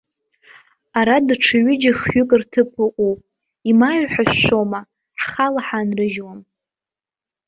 Ара даҽа ҩыџьа-хҩы рҭыԥ ыҟоуп, имааир ҳәа шәшәома, ҳхала ҳаанрыжьуам.